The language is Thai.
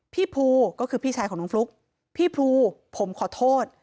พี่ภูก็คือพี่ชายของน้องฟลุ๊กพี่พลูผมขอโทษ